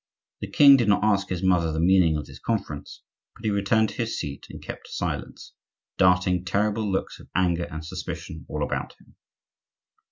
The king did not ask his mother the meaning of this conference, but he returned to his seat and kept silence, darting terrible looks of anger and suspicion all about him.